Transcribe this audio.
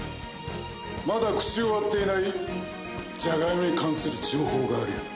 まだ口を割っていないじゃがいもに関する情報があるよな。